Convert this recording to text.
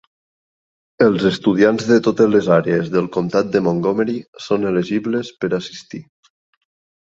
Els estudiants de totes les àrees del Comtat de Montgomery són elegibles per assistir.